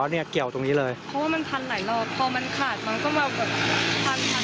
เนี่ยเกี่ยวตรงนี้เลยเพราะว่ามันพันหลายรอบพอมันขาดมันก็มาแบบพันทัน